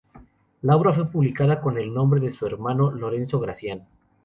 La obra fue publicada con el nombre de su hermano Lorenzo Gracián.